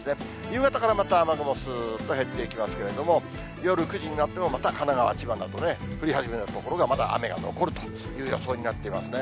夕方からまた雨雲、すーっと減っていきますけれども、夜９時になっても、また神奈川、千葉などで降り始めの所はまだ雨が残るという予想になっていますね。